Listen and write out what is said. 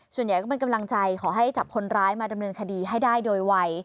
ส่วนใหญ่ก็เป็นกำลังใจขอให้จับคนร้ายมาดำเนินคดีให้ได้โดยไว